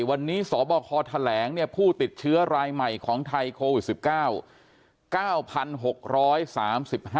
วันนี้สบคแถลงเนี่ยผู้ติดเชื้อรายใหม่ของไทยโควิด๑๙